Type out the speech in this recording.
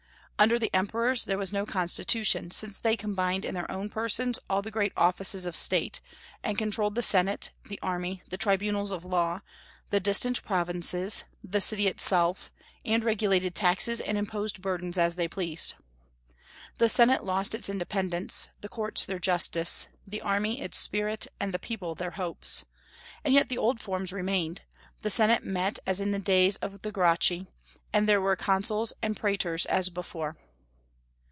Under the emperors there was no constitution, since they combined in their own persons all the great offices of state, and controlled the senate, the army, the tribunals of the law, the distant provinces, the city itself, and regulated taxes and imposed burdens as they pleased. The senate lost its independence, the courts their justice, the army its spirit, and the people their hopes. And yet the old forms remained; the senate met as in the days of the Gracchi, and there were consuls and praetors as before.